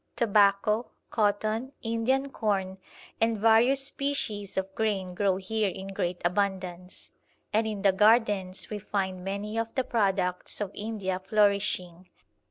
Tobacco, cotton, Indian corn, and various species of grain grow here in great abundance, and in the gardens we find many of the products of India flourishing, viz.